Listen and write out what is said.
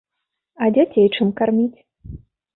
А дзяцей чым карміць?